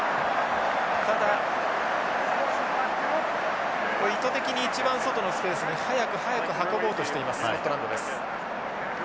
ただ意図的に一番外のスペースに早く早く運ぼうとしていますスコットランドです。